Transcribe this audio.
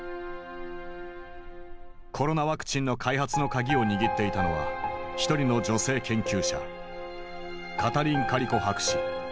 コロナワクチンの開発の鍵を握っていたのは一人の女性研究者カタリン・カリコ博士。